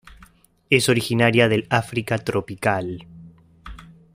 Es originaria del África tropical.